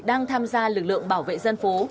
đang tham gia lực lượng bảo vệ dân phố